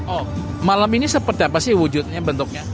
oh malam ini seperti apa sih wujudnya bentuknya